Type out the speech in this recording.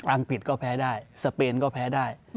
องกฤษก็แพ้ได้สเปนก็แพ้ได้